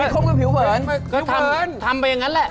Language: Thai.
ก็ทำไปอย่างนั้นแหละ